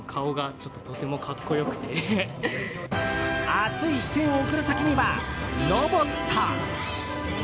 熱い視線を送る先にはロボット。